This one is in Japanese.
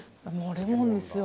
レモンですよ